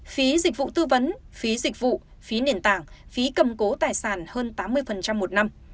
phí dịch vụ tư vấn phí dịch vụ phí nền tảng phí cầm cố tài sản hơn tám mươi một năm